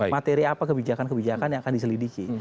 materi apa kebijakan kebijakan yang akan diselidiki